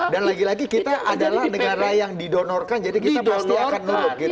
dan lagi lagi kita adalah negara yang didonorkan jadi kita pasti akan menurut